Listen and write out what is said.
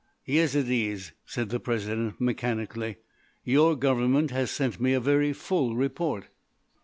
"Yezidees," said the President mechanically. "Your Government has sent me a very full report."